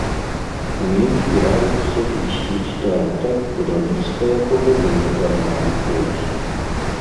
У ім збіраюцца змясціць тэатр, будаўніцтва якога было запланавана колісь.